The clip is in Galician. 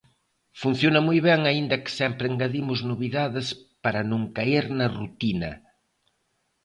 Funciona moi ben aínda que sempre engadimos novidades para non caer na rutina.